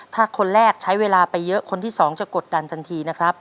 ถ้าคนแรกใช้เวลาไปเยอะคนที่สองจะกดดันทันทีนะครับ